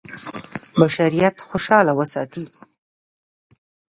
بشریت خوشاله وساتي.